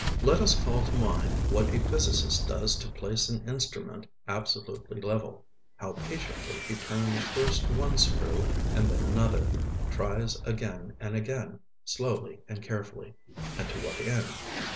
Let us call to mind what a physicist does to place an instrument absolutely level; how patiently he turns first one screw and then another, tries again and again, slowly and carefully: and to what end?